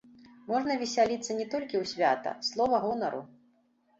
Можна весяліцца не толькі ў свята, слова гонару.